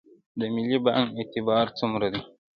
د ملي بانک اعتبار څومره دی؟